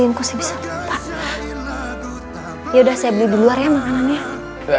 ya udah saya beli di luar ya makanannya